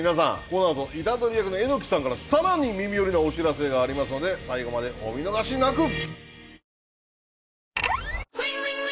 このあと虎杖役の榎木さんからさらに耳寄りなお知らせがありますので最後までお見逃しなく。